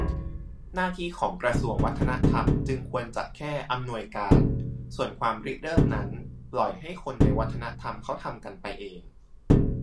หน้าที่ของกระทรวงวัฒนธรรมจึงควรจะแค่ อำนวยการ ส่วนความริเริ่มนั้นปล่อยให้คนในวัฒนธรรมเขาทำกันไปเอง